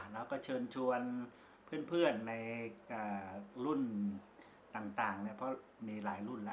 แล้วก็เชิญชวนเพื่อนเพื่อนในอ่ารุ่นต่างต่างเนี่ยเพราะมีหลายรุ่นล่ะ